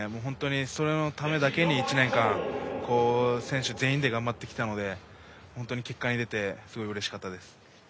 そのためだけに１年間選手全員で頑張ってきたので本当に結果が出てうれしかったです。